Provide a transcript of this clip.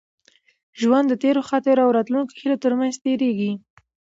ژوند د تېرو خاطرو او راتلونکو هیلو تر منځ تېرېږي.